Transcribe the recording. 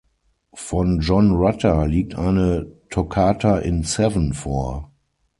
Von John Rutter liegt eine "Toccata in Seven" vor.